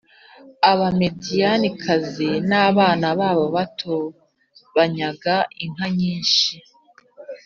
Abamidiyanikazi n’abana babo bato banyaga inka nyinshi